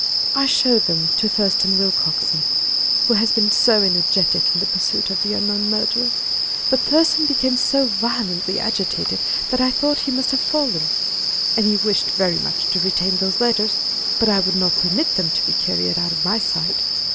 "I showed them to Thurston Willcoxen, who has been so energetic in the pursuit of the unknown murderer; but Thurston became so violently agitated that I thought he must have fallen. And he wished very much to retain those letters, but I would not permit them to be carried out of my sight.